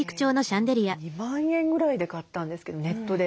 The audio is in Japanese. ２万円ぐらいで買ったんですけどネットで。